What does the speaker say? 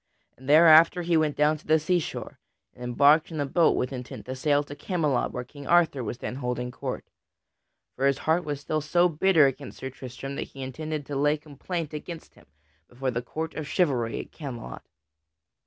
And thereafter he went down to the seashore and embarked in a boat with intent to sail to Camelot where King Arthur was then holding court. For his heart was still so bitter against Sir Tristram that he intended to lay complaint against him before the court of chivalry at Camelot.